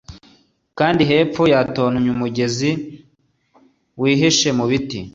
Kandi hepfo yatontomye umugezi wihishe mu biti